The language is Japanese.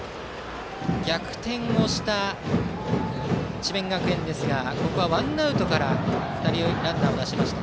逆転をした智弁学園ですがここはワンアウトから２人、ランナーを出しました。